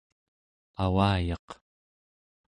avayaq